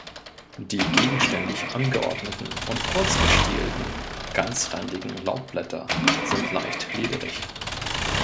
Die gegenständig angeordneten und kurz gestielten, ganzrandigen Laubblätter sind leicht lederig.